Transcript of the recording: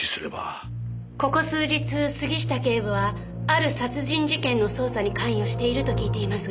ここ数日杉下警部はある殺人事件の捜査に関与していると聞いていますが？